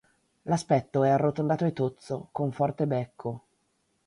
L'aspetto è arrotondato e tozzo, con forte becco.